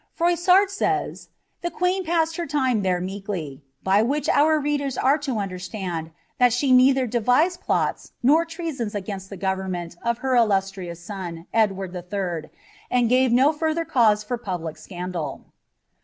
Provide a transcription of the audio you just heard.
* Froissarl says, " The queen passed her time there meekly ;" by whidi oar readers are lo understand that she neither devised plou nor inwats against the government of her illustrious son, Edward III^ and gut* m further cause for public scandal.